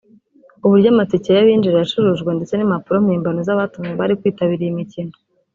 uburyo amatike y’abinjira yacurujwe ndetse n’impapuro mpimbano z’abatumiwe bari kwitabira iyi mikino